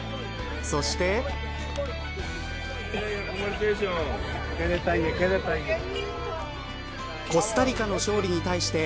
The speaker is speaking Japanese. そして。